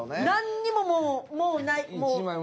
なんにももうない。